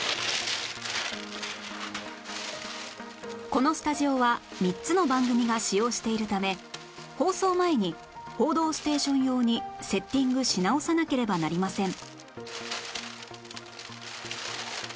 このスタジオは３つの番組が使用しているため放送前に『報道ステーション』用にセッティングし直さなければなりません